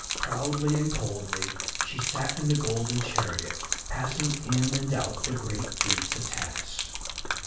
Proudly and coldly she sat in the golden chariot passing in and out the great gates of Tanis.